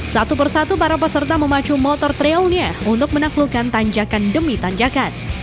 satu persatu para peserta memacu motor trailnya untuk menaklukkan tanjakan demi tanjakan